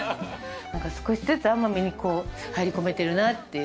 なんか少しずつ奄美に入り込めてるなっていう。